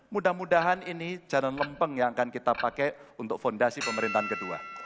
mudah mudahan ini jalan lempeng yang akan kita pakai untuk fondasi pemerintahan kedua